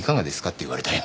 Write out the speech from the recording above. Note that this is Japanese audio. って言われたよ。